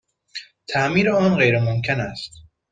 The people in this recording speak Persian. تعمیر آن غیرممکن است.